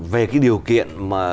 về cái điều kiện